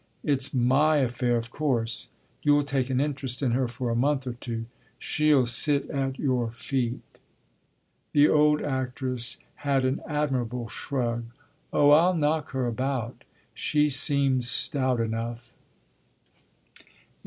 "It's my affair of course. You'll take an interest in her for a month or two; she'll sit at your feet." The old actress had an admirable shrug. "Oh I'll knock her about she seems stout enough!"